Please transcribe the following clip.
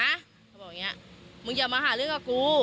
เขาบอกอย่างนี้มึงอย่ามาหาเรื่องกับกู